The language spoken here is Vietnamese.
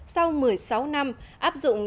sau một mươi sáu năm áp dụng